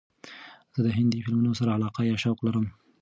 زه د هندې فیلمونو سره علاقه یا شوق لرم.